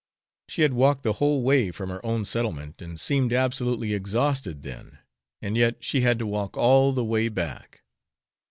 She had walked the whole way from her own settlement, and seemed absolutely exhausted then, and yet she had to walk all the way back.